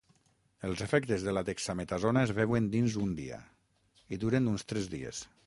Els efectes de la dexametasona es veuen dins un dia i duren uns tres dies.